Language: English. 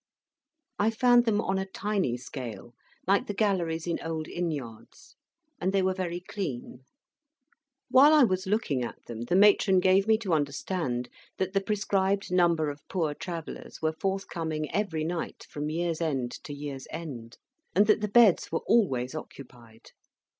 I found them on a tiny scale, like the galleries in old inn yards; and they were very clean. While I was looking at them, the matron gave me to understand that the prescribed number of Poor Travellers were forthcoming every night from year's end to year's end; and that the beds were always occupied.